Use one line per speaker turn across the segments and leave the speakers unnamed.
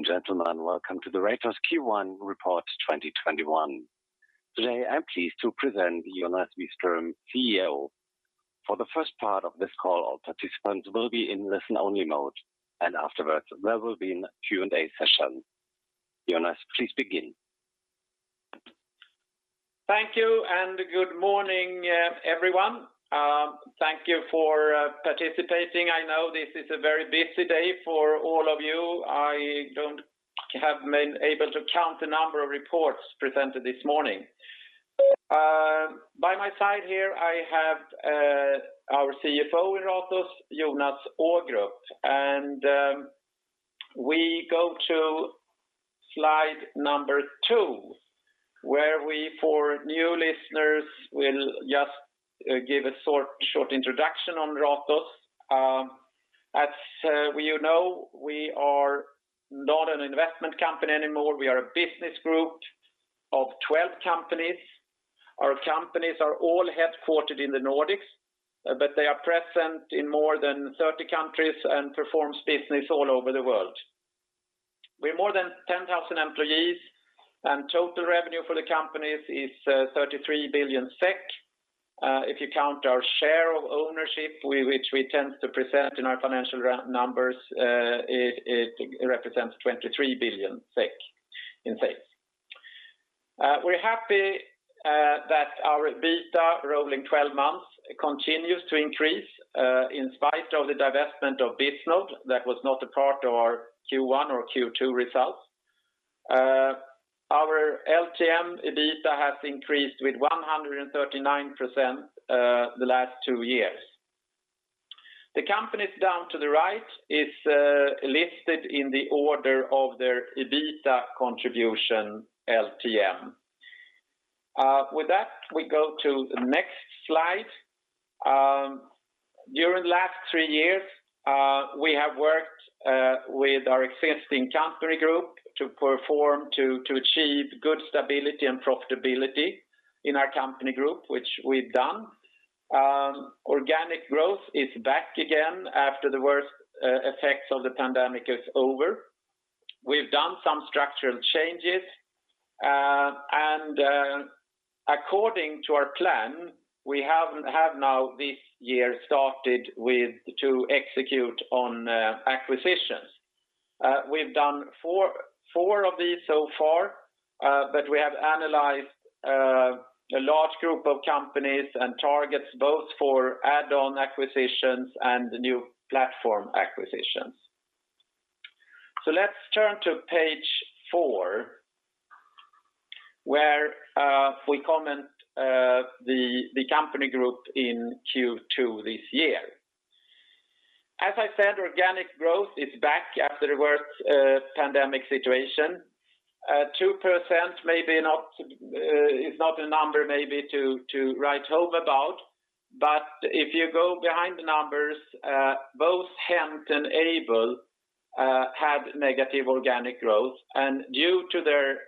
Ladies and gentlemen, welcome to the Ratos Q2 Report 2021. Today, I'm pleased to present Jonas Wiström, CEO. For the first part of this call, all participants will be in listen-only mode, and afterwards, there will be a Q&A session. Jonas, please begin.
Thank you and good morning, everyone. Thank you for participating. I know this is a very busy day for all of you. I haven't been able to count the number of reports presented this morning. By my side here, I have our CFO in Ratos, Jonas Ågrup. We go to slide number two, where we, for new listeners, will just give a short introduction on Ratos. As you know, we are not an investment company anymore. We are a business group of 12 companies. Our companies are all headquartered in the Nordics, but they are present in more than 30 countries and perform business all over the world. We are more than 10,000 employees, and total revenue for the companies is 33 billion SEK. If you count our share of ownership, which we tend to present in our financial numbers, it represents 23 billion SEK in sales. We're happy that our EBITDA rolling 12 months continues to increase in spite of the divestment of Bisnode that was not a part of our Q2 or Q2 results. Our LTM EBITDA has increased with 139% the last two years. The companies down to the right are listed in the order of their EBITDA contribution LTM. With that, we go to the next slide. During last three years, we have worked with our existing company group to achieve good stability and profitability in our company group, which we've done. Organic growth is back again after the worst effects of the pandemic is over. We've done some structural changes, and according to our plan, we have now this year started to execute on acquisitions. We've done four of these so far, but we have analyzed a large group of companies and targets both for add-on acquisitions and new platform acquisitions. Let's turn to page four, where we comment the company group in Q2 this year. As I said, organic growth is back after the worst pandemic situation. 2% is not a number maybe to write home about, but if you go behind the numbers, both HENT and Aibel had negative organic growth, and due to their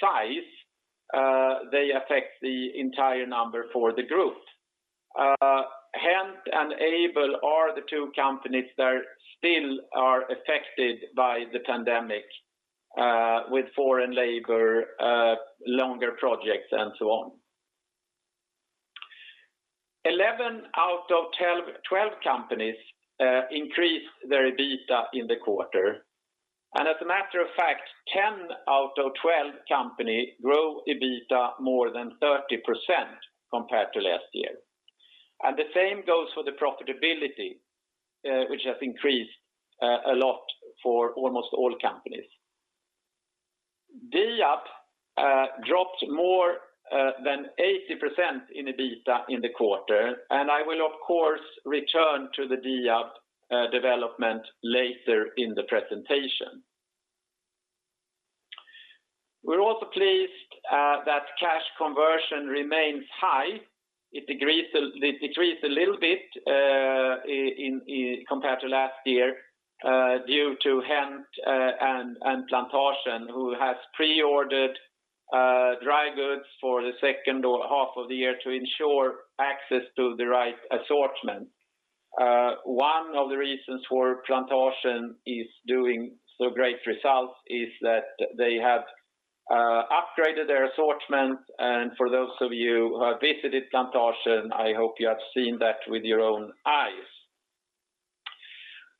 size, they affect the entire number for the group. HENT and Aibel are the two companies that still are affected by the pandemic with foreign labor, longer projects, and so on. 11 out of 12 companies increased their EBITDA in the quarter. As a matter of fact, 10 out of 12 companies grew EBITDA more than 30% compared to last year. The same goes for the profitability which has increased a lot for almost all companies. Diab dropped more than 80% in EBITDA in the quarter. I will, of course, return to the Diab development later in the presentation. We're also pleased that cash conversion remains high. It decreased a little bit compared to last year due to HENT and Plantasjen, who have pre-ordered dry goods for the second half of the year to ensure access to the right assortment. One of the reasons for Plantasjen is doing so great results is that they have upgraded their assortment. For those of you who have visited Plantasjen, I hope you have seen that with your own eyes.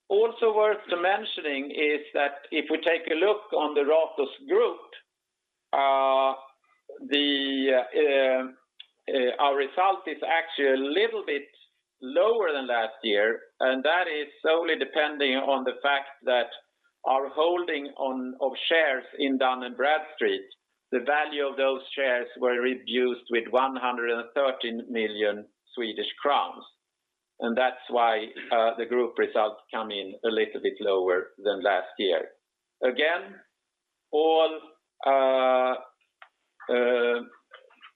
Also worth mentioning is that if we take a look on the Ratos Group, our result is actually a little bit lower than last year, and that is solely depending on the fact that our holding of shares in Dun & Bradstreet, the value of those shares were reduced with 113 million Swedish crowns, and that's why the group results come in a little bit lower than last year. Again, all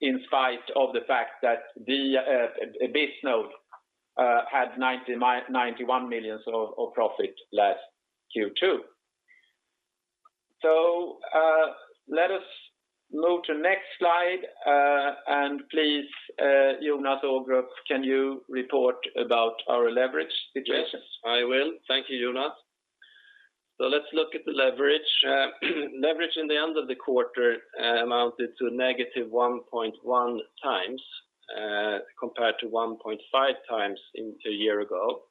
in spite of the fact that Bisnode had 91 million of profit last Q2. Let us move to next slide. Please, Jonas Ågrup, can you report about our leverage situation?
Yes, I will. Thank you, Jonas. Let's look at the leverage. Leverage in the end of the quarter amounted to negative 1.1x, compared to 1.5x a year ago,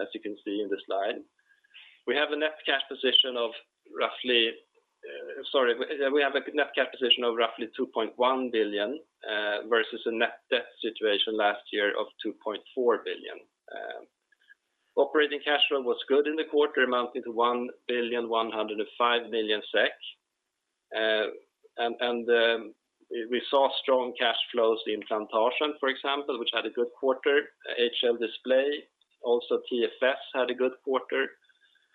as you can see in the slide. We have a net cash position of roughly 2.1 billion versus a net debt situation last year of 2.4 billion. Operating cash flow was good in the quarter, amounting to 1.105 billion. We saw strong cash flows in Plantasjen, for example, which had a good quarter. HL Display, also TFS had a good quarter,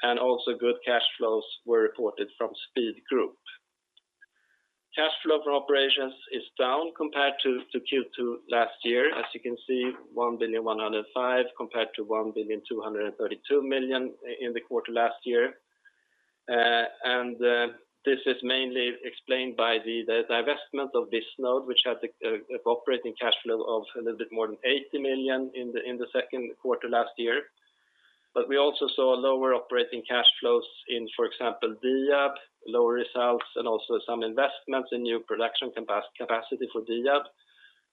and also good cash flows were reported from Speed Group. Cash flow from operations is down compared to Q2 last year. As you can see, 1.105 billion compared to 1.232 billion in the quarter last year. This is mainly explained by the divestment of Bisnode, which had the operating cash flow of a little bit more than 80 million in the second quarter last year. We also saw lower operating cash flows in, for example, Diab, lower results, and also some investments in new production capacity for Diab.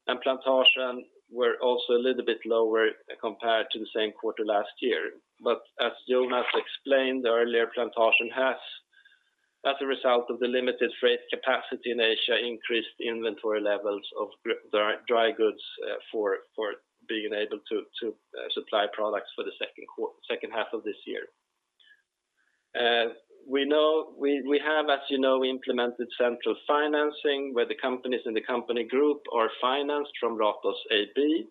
Plantasjen were also a little bit lower compared to the same quarter last year. As Jonas explained earlier, Plantasjen has, as a result of the limited freight capacity in Asia, increased inventory levels of dry goods for being able to supply products for the second half of this year. We have, as you know, implemented central financing, where the companies in the company group are financed from Ratos AB,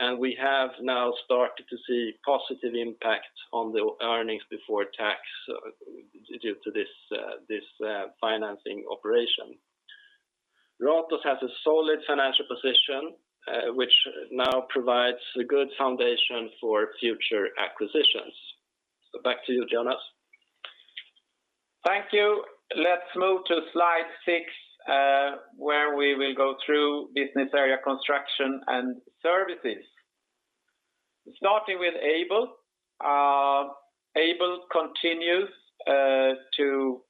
and we have now started to see positive impact on the earnings before tax due to this financing operation. Ratos has a solid financial position, which now provides a good foundation for future acquisitions. Back to you, Jonas.
Thank you. Let's move to slide six, where we will go through business area construction and services. Starting with Aibel. Aibel continues to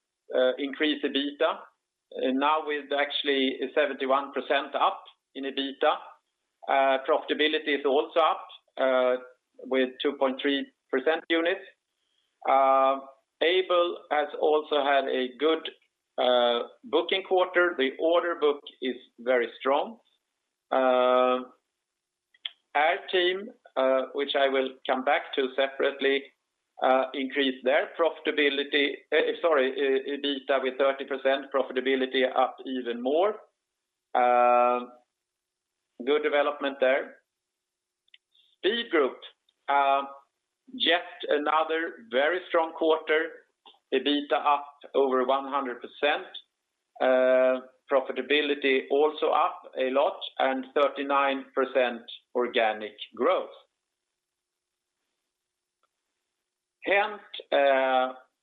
increase EBITDA, now with actually 71% up in EBITDA. Profitability is also up with 2.3% units. Aibel has also had a good booking quarter. The order book is very strong. airteam, which I will come back to separately, increased their Sorry, EBITDA with 30%, profitability up even more. Good development there. Speed Group, yet another very strong quarter. EBITDA up over 100%. Profitability also up a lot and 39% organic growth. HENT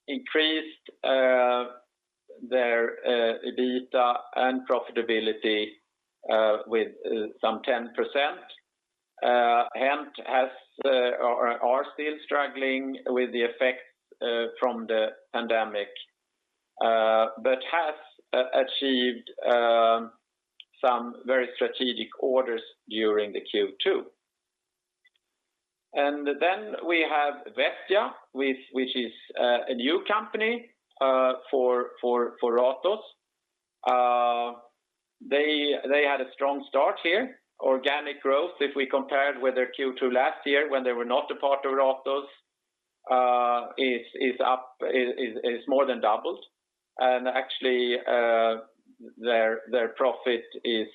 increased their EBITDA and profitability with some 10%. HENT are still struggling with the effects from the pandemic, but has achieved some very strategic orders during the Q2. We have Vestia, which is a new company for Ratos. They had a strong start here. Organic growth, if we compared with their Q2 last year when they were not a part of Ratos, is more than doubled. Actually their profit is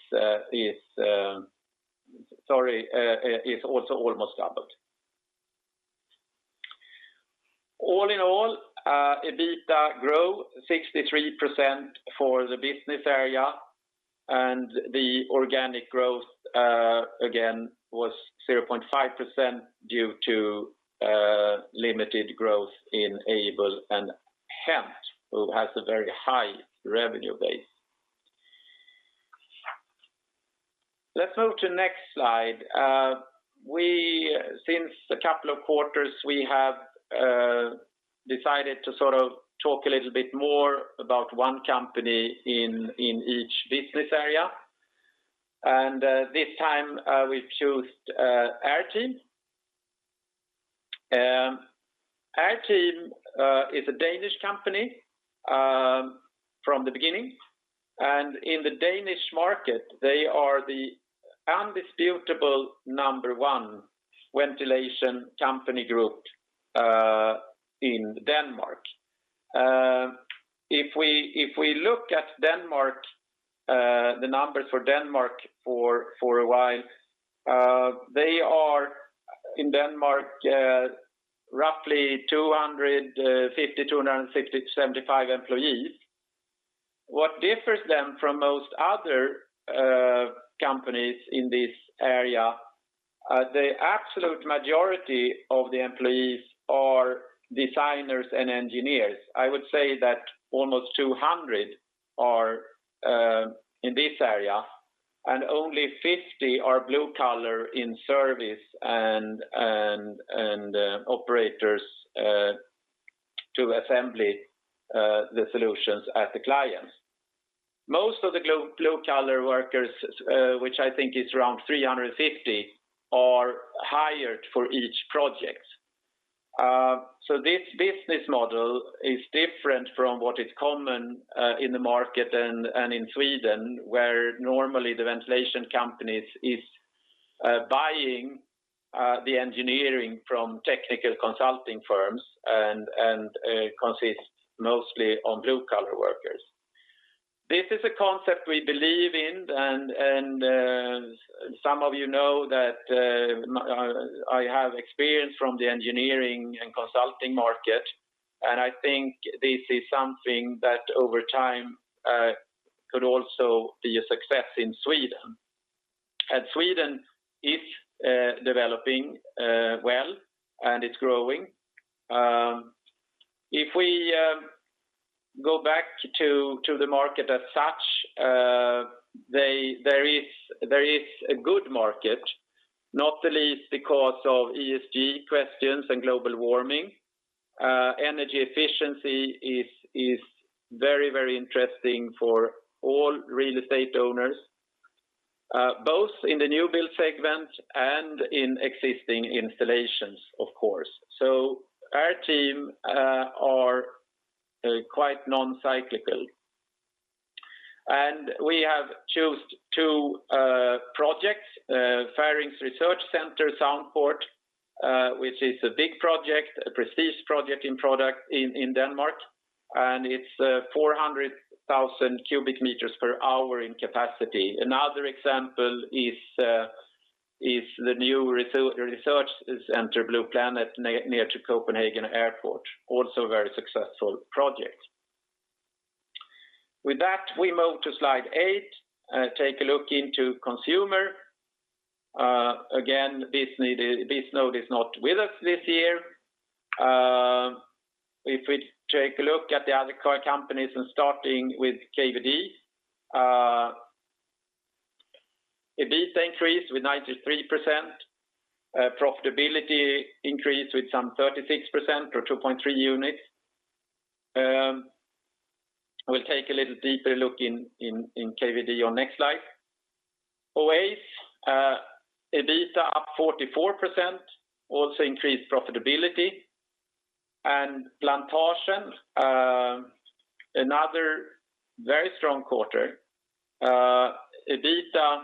also almost doubled. All in all, EBITDA grew 63% for the business area, and the organic growth again was 0.5% due to limited growth in Aibel and HENT, who has a very high revenue base. Let's move to next slide. Since a couple of quarters, we have decided to talk a little bit more about one company in each business area. This time, we've chosen airteam. airteam is a Danish company from the beginning, and in the Danish market, they are the undisputable number one ventilation company group in Denmark. If we look at the numbers for Denmark for a while, they are in Denmark roughly 250, 260 to 275 employees. What differs them from most other companies in this area. The absolute majority of the employees are designers and engineers. I would say that almost 200 are in this area, and only 50 are blue collar in service and operators to assembly the solutions at the clients. Most of the blue collar workers, which I think is around 350, are hired for each project. This business model is different from what is common in the market and in Sweden, where normally the ventilation company is buying the engineering from technical consulting firms and consists mostly of blue collar workers. This is a concept we believe in, and some of you know that I have experience from the engineering and consulting market, and I think this is something that over time could also be a success in Sweden. Sweden is developing well, and it's growing. If we go back to the market as such, there is a good market, not the least because of ESG questions and global warming. Energy efficiency is very interesting for all real estate owners, both in the new build segment and in existing installations, of course. Our team are quite non-cyclical. We have chosen two projects, Ferring Research Center Soundport, which is a big project, a prestige project in product in Denmark, and it is 400,000 cubic meters per hour in capacity. Another example is the new research center, Blue Planet, near to Copenhagen Airport, also a very successful project. With that, we move to slide eight, take a look into consumer. Again, Bisnode is not with us this year. If we take a look at the other core companies and starting with KVD, EBITDA increased with 93%, profitability increased with some 36% or 2.3 units. We'll take a little deeper look in KVD on next slide. Oase, EBITDA up 44%, also increased profitability. Plantasjen, another very strong quarter. EBITDA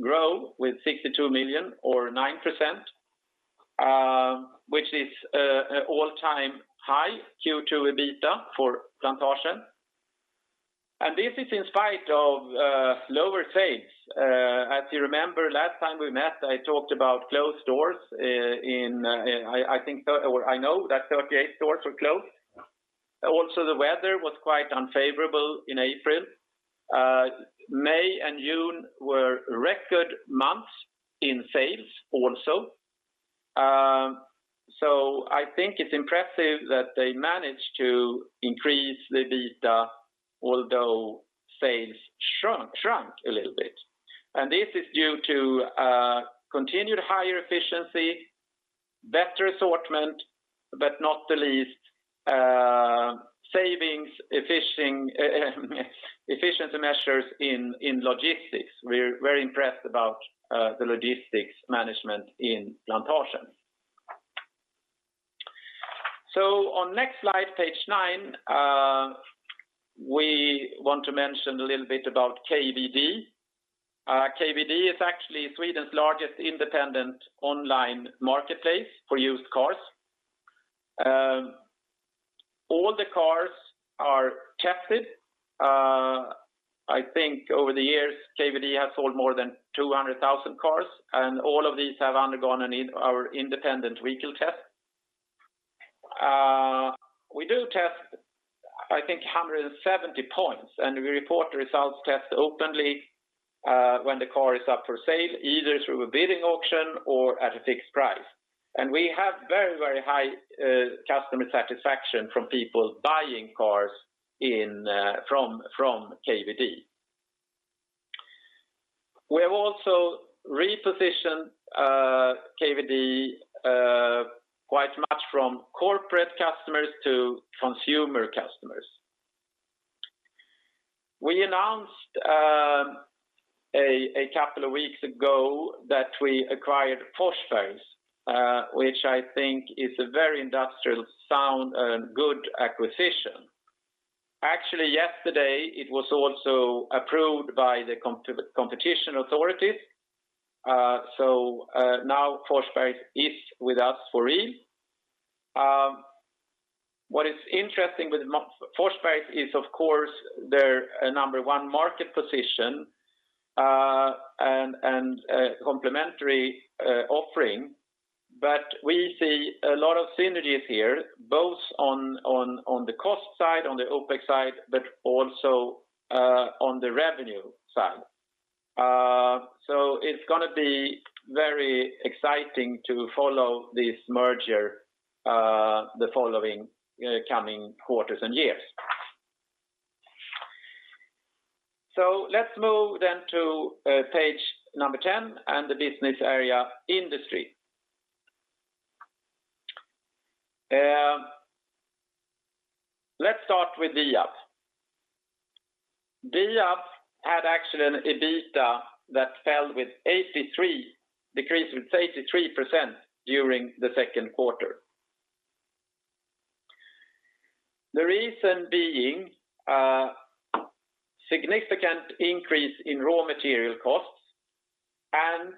grow with 62 million or 9%, which is all-time high Q2 EBITDA for Plantasjen. This is in spite of lower sales. As you remember, last time we met, I talked about closed stores in, I know that 38 stores were closed. Also, the weather was quite unfavorable in April. May and June were record months in sales also. I think it's impressive that they managed to increase the EBITDA, although sales shrunk a little bit. This is due to continued higher efficiency, better assortment, but not the least, savings efficiency measures in logistics. We're very impressed about the logistics management in Plantasjen. On next slide, page 9, we want to mention a little bit about KVD. KVD is actually Sweden's largest independent online marketplace for used cars. All the cars are tested. I think over the years, KVD has sold more than 200,000 cars, and all of these have undergone our independent vehicle test. We do test, I think, 170 points, and we report the results test openly when the car is up for sale, either through a bidding auction or at a fixed price. We have very high customer satisfaction from people buying cars from KVD. We have also repositioned KVD quite much from corporate customers to consumer customers. We announced a couple of weeks ago that we acquired Forsbergs Fritidscenter, which I think is a very industrial sound and good acquisition. Actually, yesterday it was also approved by the competition authorities. Now Forsbergs Fritidscenter is with us for real. What is interesting with Forsbergs Fritidscenter is, of course, their number 1 market position and complementary offering. We see a lot of synergies here, both on the cost side, on the OPEX side, but also on the revenue side. It's going to be very exciting to follow this merger the following coming quarters and years. Let's move then to page number 10 and the business area industry. Let's start with Diab. Diab had actually an EBITDA that decreased with 83% during the second quarter. The reason being a significant increase in raw material costs and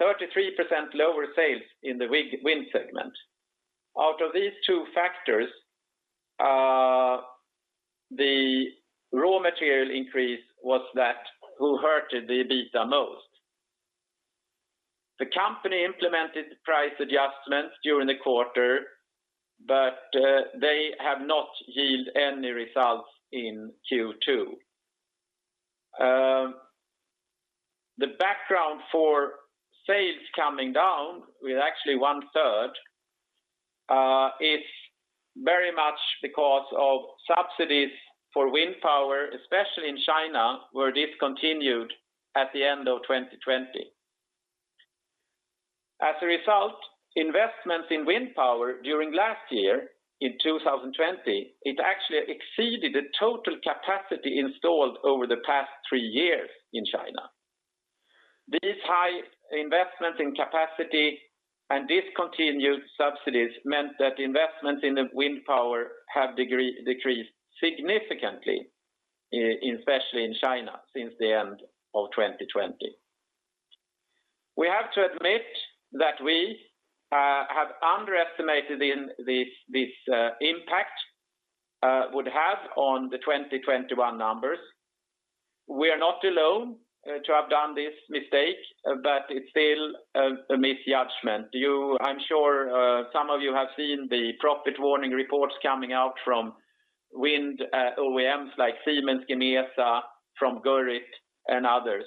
33% lower sales in the wind segment. Out of these two factors, the raw material increase was that who hurted the EBITDA most. The company implemented price adjustments during the quarter, but they have not yielded any results in Q2. The background for sales coming down with actually one third is very much because of subsidies for wind power, especially in China, were discontinued at the end of 2020. As a result, investments in wind power during last year, in 2020, it actually exceeded the total capacity installed over the past three years in China. This high investment in capacity and discontinued subsidies meant that investments in the wind power have decreased significantly, especially in China since the end of 2020. We have to admit that we have underestimated this impact would have on the 2021 numbers. We are not alone to have done this mistake, but it's still a misjudgment. I'm sure some of you have seen the profit warning reports coming out from wind OEMs like Siemens Gamesa, from Gurit and others.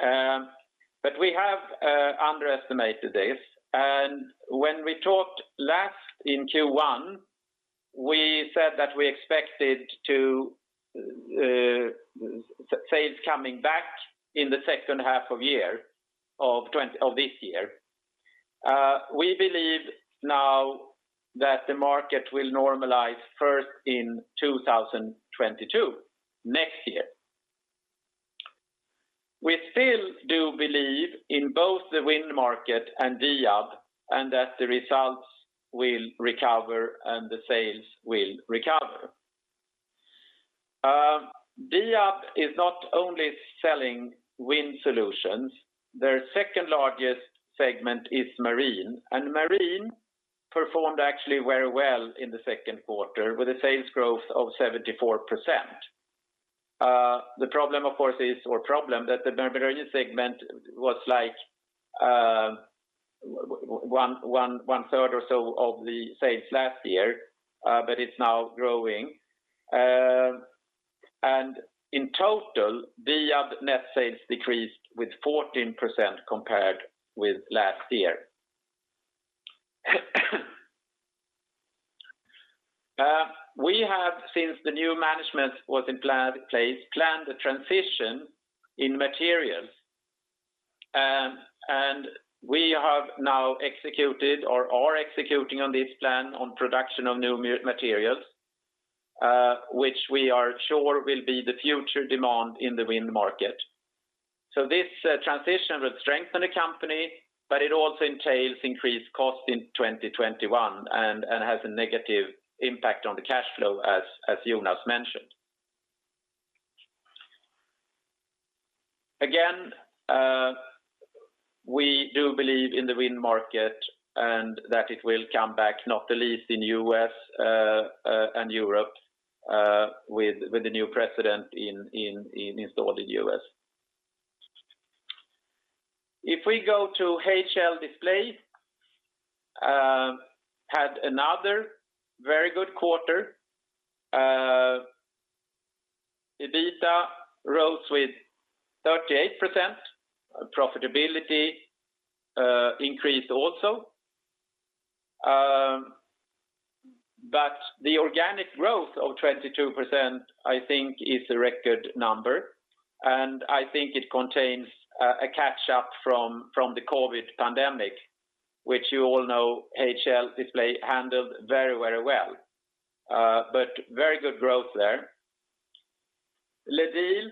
We have underestimated this, and when we talked last in Q1, we said that we expected to sales coming back in the second half of this year. We believe now that the market will normalize first in 2022, next year. We still do believe in both the wind market and Diab, and that the results will recover and the sales will recover. Diab is not only selling wind solutions, their second-largest segment is marine. Marine performed actually very well in the second quarter with a sales growth of 74%. The problem, of course, is that the marine segment was 1/3 or so of the sales last year, but it's now growing. In total, Diab net sales decreased with 14% compared with last year. We have since the new management was in place, planned the transition in materials. We have now executed or are executing on this plan on production of new materials, which we are sure will be the future demand in the wind market. This transition will strengthen the company, but it also entails increased cost in 2021 and has a negative impact on the cash flow as Jonas mentioned. Again, we do believe in the wind market and that it will come back not the least in U.S. and Europe with the new president installed in U.S. If we go to HL Display, had another very good quarter. EBITDA rose with 38%, profitability increased also. The organic growth of 22%, I think is a record number, and I think it contains a catch-up from the COVID-19 pandemic, which you all know HL Display handled very well. Very good growth there. LEDiL,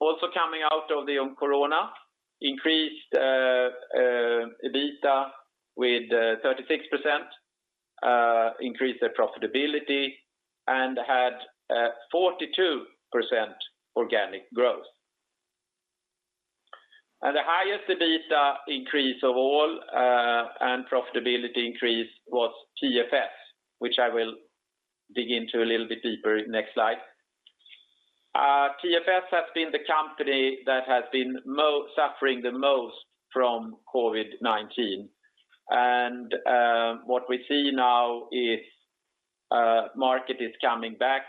also coming out of the Corona, increased EBITDA with 36%, increased their profitability and had a 42% organic growth. The highest EBITDA increase of all and profitability increase was TFS, which I will dig into a little bit deeper next slide. TFS has been the company that has been suffering the most from COVID-19. What we see now is market is coming back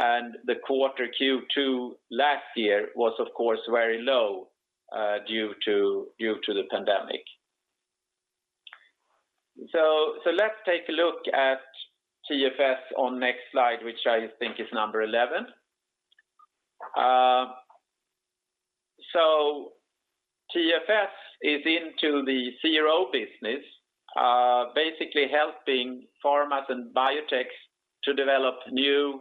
and the quarter Q2 last year was, of course, very low due to the pandemic. Let's take a look at TFS on next slide, which I think is number 11. TFS is into the CRO business, basically helping pharmas and biotechs to develop new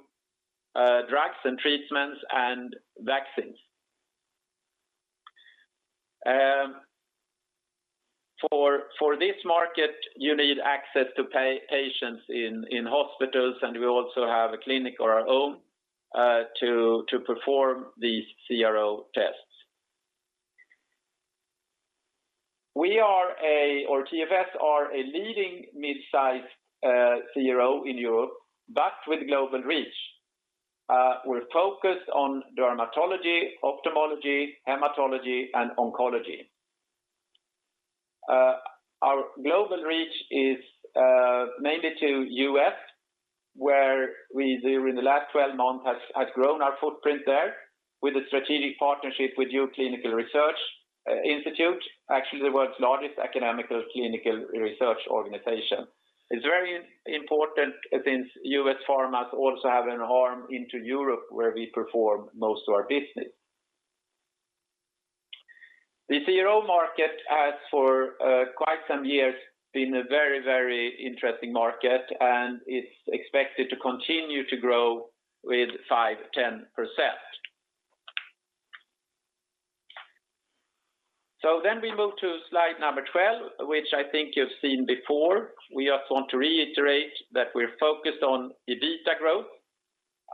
drugs and treatments and vaccines. For this market, you need access to patients in hospitals, and we also have a clinic of our own to perform these CRO tests. TFS are a leading midsize CRO in Europe, but with global reach. We're focused on dermatology, ophthalmology, hematology, and oncology. Our global reach is mainly to U.S., where we during the last 12 months have grown our footprint there with a strategic partnership with Duke Clinical Research Institute, actually the world's largest academic clinical research organization. It's very important since U.S. pharmas also have an arm into Europe where we perform most of our business. The CRO market has for quite some years been a very interesting market, and it's expected to continue to grow with 5%-10%. We move to slide number 12, which I think you've seen before. We just want to reiterate that we're focused on EBITDA growth,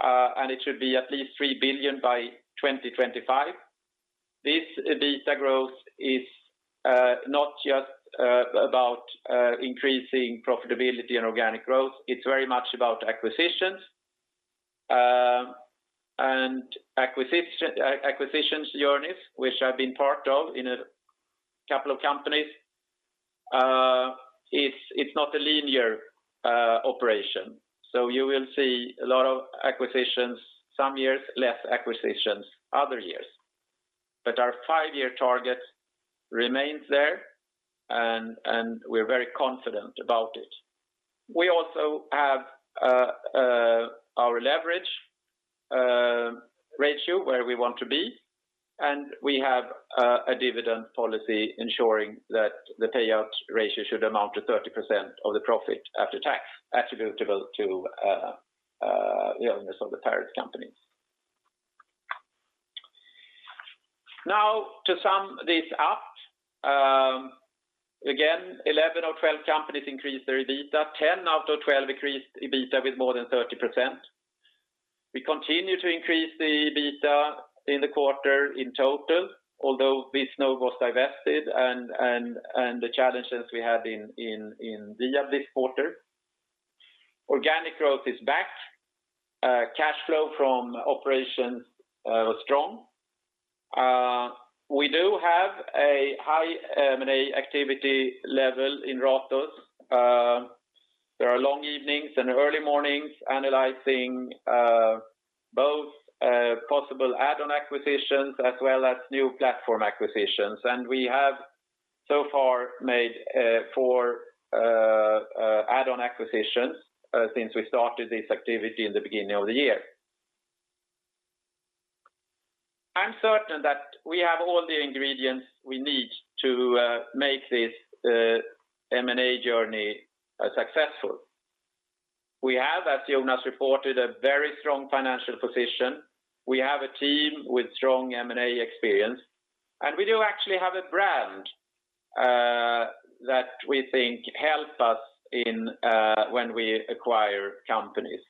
and it should be at least 3 billion by 2025. This EBITDA growth is not just about increasing profitability and organic growth. It's very much about acquisitions. Acquisitions journeys, which I’ve been part of in a couple of companies, it is not a linear operation. You will see a lot of acquisitions some years, less acquisitions other years. Our five year target remains there, and we are very confident about it. We also have our leverage ratio where we want to be, and we have a dividend policy ensuring that the payout ratio should amount to 30% of the profit after tax attributable to the owners of the parent company. To sum this up, again, 11 out of 12 companies increased their EBITDA. 10 out of 12 increased EBITDA with more than 30%. We continue to increase the EBITDA in the quarter in total, although Bisnode was divested and the challenges we had in Diab this quarter. Organic growth is back. Cash flow from operations was strong. We do have a high M&A activity level in Ratos. There are long evenings and early mornings analyzing both possible add-on acquisitions as well as new platform acquisitions. We have so far made four add-on acquisitions since we started this activity in the beginning of the year. I'm certain that we have all the ingredients we need to make this M&A journey successful. We have, as Jonas reported, a very strong financial position. We have a team with strong M&A experience, and we do actually have a brand that we think help us when we acquire companies.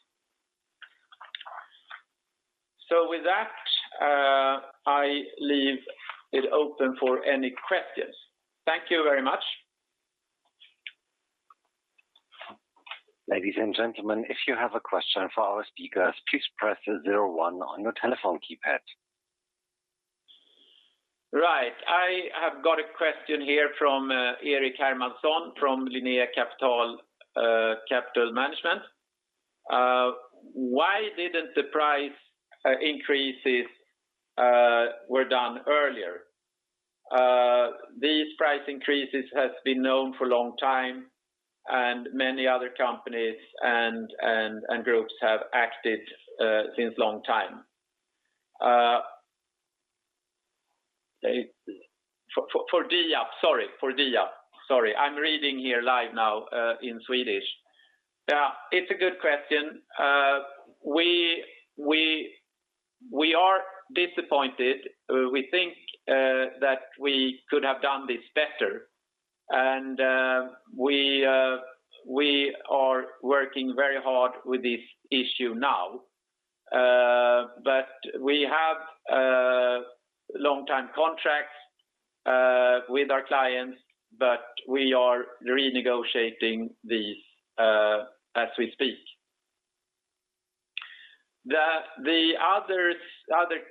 With that, I leave it open for any questions. Thank you very much.
Ladies and gentlemen, if you have a question for our speakers, please press zero one on your telephone keypad.
Right. I have got a question here from Eric Hermanson from Linnea Capital Management. Why didn't the price increases were done earlier? These price increases has been known for a long time, and many other companies and groups have acted since long time. For Diab, sorry. I'm reading here live now in Swedish. Yeah, it's a good question. We are disappointed. We think that we could have done this better, and we are working very hard with this issue now. We have long-term contracts with our clients, but we are renegotiating these as we speak. The other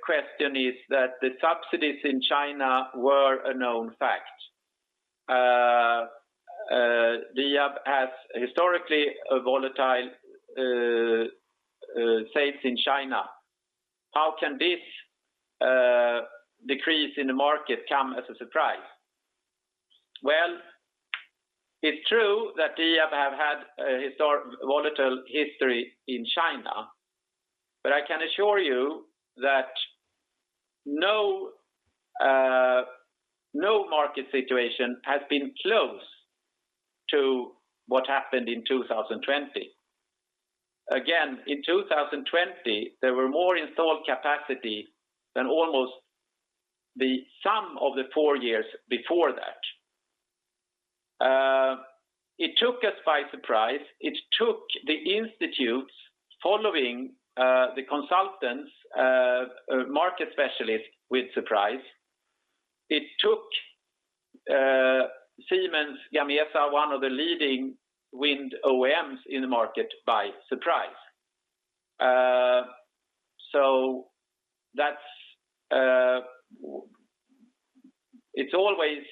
question is that the subsidies in China were a known fact. Diab has historically volatile sales in China. How can this decrease in the market come as a surprise? Well, it's true that Diab have had a volatile history in China. I can assure you that no market situation has been close to what happened in 2020. In 2020, there were more installed capacity than almost the sum of the four years before that. It took us by surprise. It took the institutes following the consultants, market specialists with surprise. It took Siemens Gamesa, one of the leading wind OEMs in the market, by surprise. It's always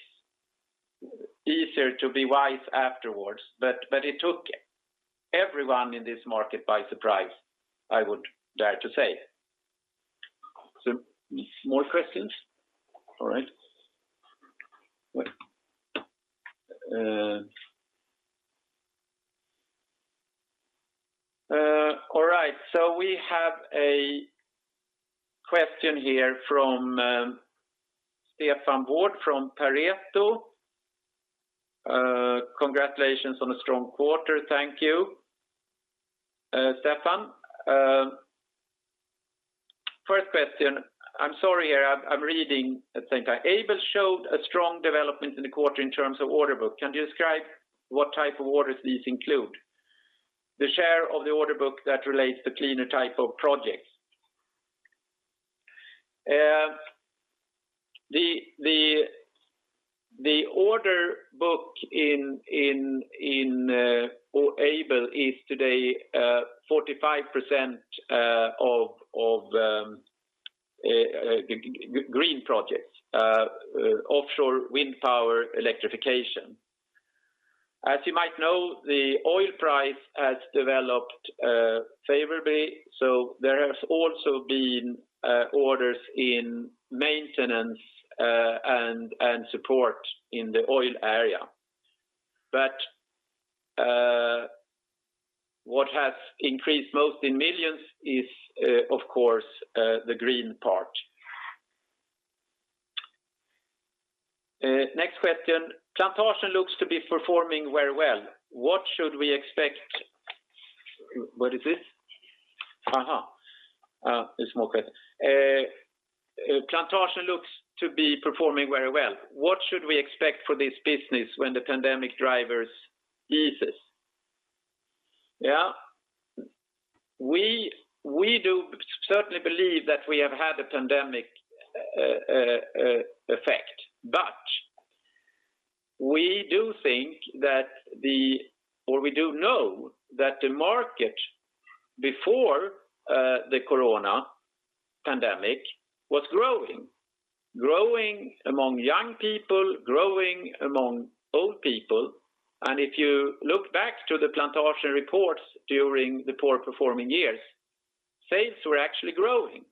easier to be wise afterwards. It took everyone in this market by surprise, I would dare to say. More questions? All right. We have a question here from Stefan Wård from Pareto. Congratulations on a strong quarter. Thank you, Stefan. First question, I'm sorry, I'm reading at the same time. Aibel showed a strong development in the quarter in terms of order book. Can you describe what type of orders these include? The share of the order book that relates to cleaner type of projects. The order book in Aibel is today 45% of green projects, offshore wind power electrification. As you might know, the oil price has developed favorably. There has also been orders in maintenance and support in the oil area. What has increased most in millions is, of course, the green part. Next question. Plantasjen looks to be performing very well. What should we expect for this business when the pandemic drivers eases? We do certainly believe that we have had a pandemic effect, but we do know that the market before the corona pandemic was growing. Growing among young people, growing among old people. If you look back to the Plantasjen reports during the poor performing years, sales were actually growing.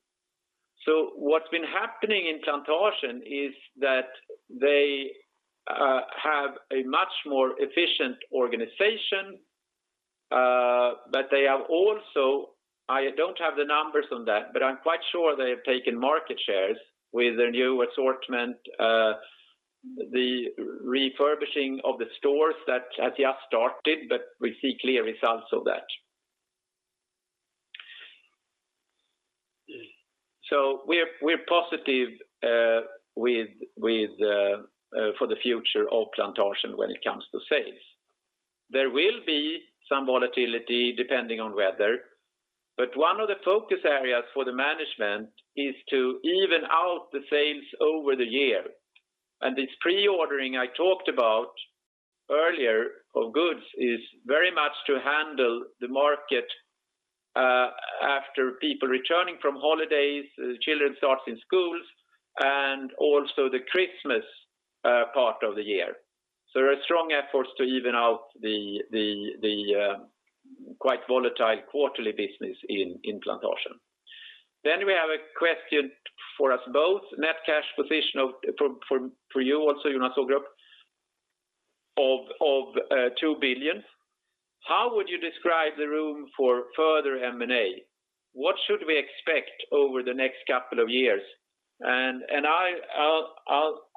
What's been happening in Plantasjen is that they have a much more efficient organization. I don't have the numbers on that, but I'm quite sure they have taken market shares with their new assortment, the refurbishing of the stores that has just started, but we see clear results of that. We're positive for the future of Plantasjen when it comes to sales. There will be some volatility depending on weather. One of the focus areas for the management is to even out the sales over the year. This pre-ordering I talked about earlier of goods is very much to handle the market after people returning from holidays, children starting schools, and also the Christmas part of the year. There are strong efforts to even out the quite volatile quarterly business in Plantasjen. We have a question for us both. Net cash position for you also, Jonas Ågrup, of 2 billion. How would you describe the room for further M&A? What should we expect over the next couple of years? I'll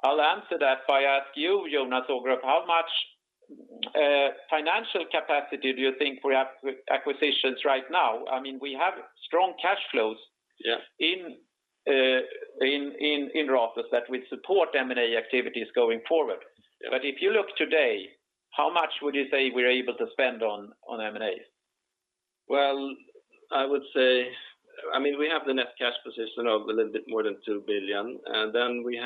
answer that by asking you, Jonas Ågrup, how much financial capacity do you think we have with acquisitions right now? We have strong cash flows.
Yes
in Ratos that will support M&A activities going forward.
Yeah.
If you look today, how much would you say we're able to spend on M&A?
We have the net cash position of a little bit more than 2 billion. We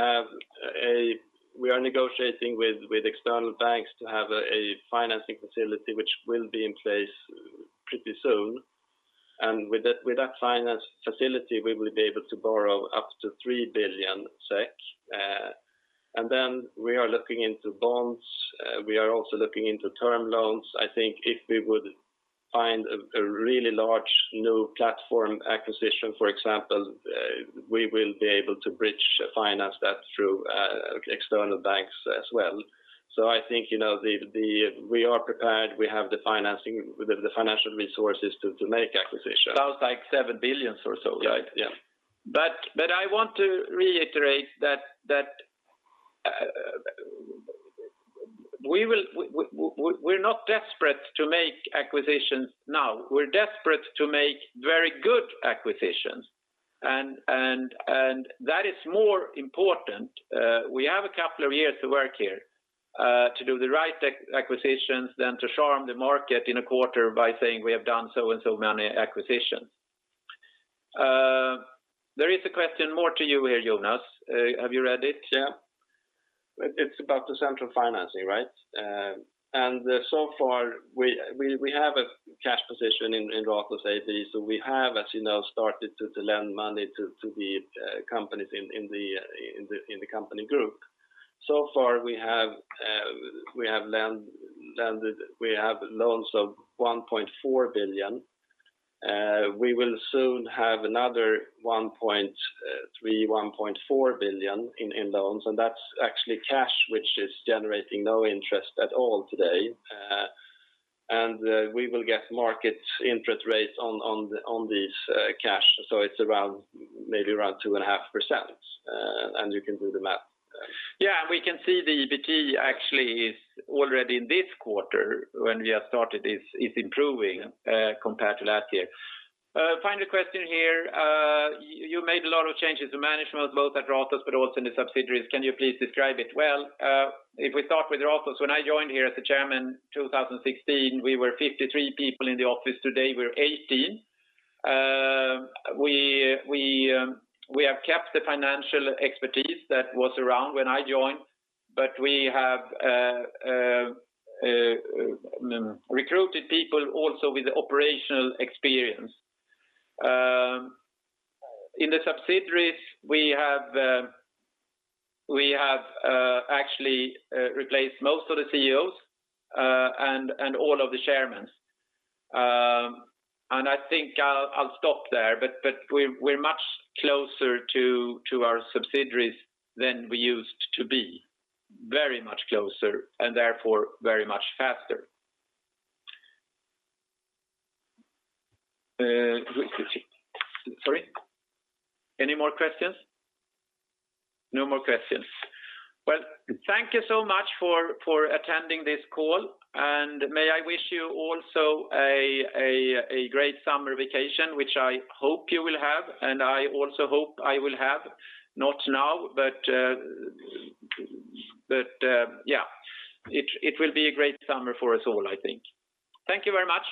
are negotiating with external banks to have a financing facility which will be in place pretty soon. With that finance facility, we will be able to borrow up to 3 billion SEK. We are looking into bonds. We are also looking into term loans. I think if we would find a really large new platform acquisition, for example, we will be able to bridge finance that through external banks as well. I think we are prepared. We have the financial resources to make acquisitions.
Sounds like 7 billion or so, right?
Yeah.
I want to reiterate that we're not desperate to make acquisitions now. We're desperate to make very good acquisitions, and that is more important. We have a couple of years to work here to do the right acquisitions than to charm the market in a quarter by saying we have done so and so many acquisitions. There is a question more to you here, Jonas. Have you read it?
Yeah. It's about the central financing, right? So far, we have a cash position in Ratos AB. We have, as you know, started to lend money to the companies in the company group. So far, we have loans of 1.4 billion. We will soon have another 1.3 billion-1.4 billion in loans, that's actually cash, which is generating no interest at all today. We will get market interest rates on this cash. It's maybe around 2.5%. You can do the math.
Yeah, we can see the EBIT actually is already in this quarter when we have started is improving compared to last year. Final question here. You made a lot of changes to management, both at Ratos but also in the subsidiaries. Can you please describe it? Well, if we start with Ratos, when I joined here as the chairman 2016, we were 53 people in the office. Today, we're 18. We have kept the financial expertise that was around when I joined, but we have recruited people also with operational experience. In the subsidiaries we have actually replaced most of the CEOs and all of the chairmans. I think I'll stop there, but we're much closer to our subsidiaries than we used to be. Very much closer, and therefore very much faster. Any more questions? No more questions. Well, thank you so much for attending this call. May I wish you also a great summer vacation, which I hope you will have, and I also hope I will have, not now, but it will be a great summer for us all, I think. Thank you very much.